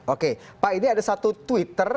oke pak ini ada satu twitter